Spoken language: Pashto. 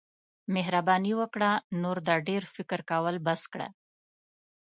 مهرباني وکړه نور دا ډیر فکر کول بس کړه.